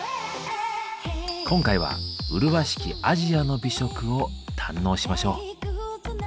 今回は麗しき「アジアの美食」を堪能しましょう。